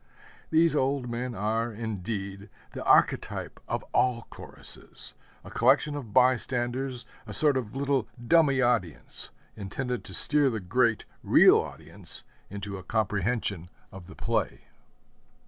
These old men are, indeed, the archetype of all choruses a collection of by standers, a sort of little dummy audience, intended to steer the great, real audience into a comprehension of the play.